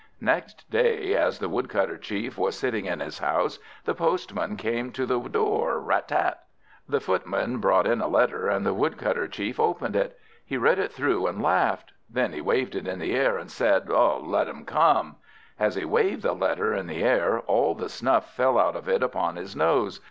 Next day, as the Woodcutter Chief was sitting in his house, the postman came to the door Rat tat. The footman brought in a letter, and the Woodcutter Chief opened it. He read it through, and laughed. Then he waved it in the air, and said, "Let them come." As he waved the letter in the air, all the snuff fell out of it upon his nose.